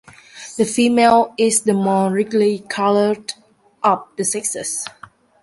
The female is the more richly-colored of the sexes.